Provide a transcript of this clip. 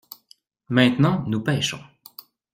Maintenant nous pêchons.